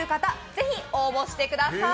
ぜひ、応募してください。